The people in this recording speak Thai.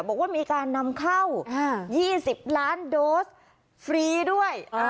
บอกว่ามีการนำเข้า๒๐ล้านโดสฟรีด้วย